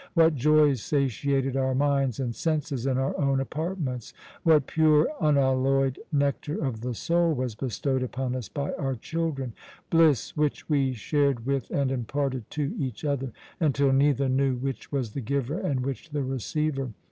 What joys satiated our minds and senses in our own apartments! What pure, unalloyed nectar of the soul was bestowed upon us by our children bliss which we shared with and imparted to each other until neither knew which was the giver and which the receiver!